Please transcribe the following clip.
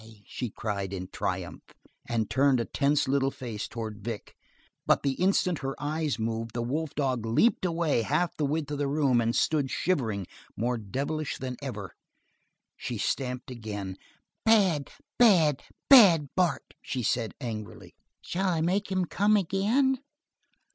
she cried in triumph, and turned a tense little face towards Vic, but the instant her eyes moved the wolf dog leaped away half the width of the room, and stood shivering, more devilish than ever. She stamped again. "Bad, bad, bad Bart," she said angrily. "Shall I make him come again?"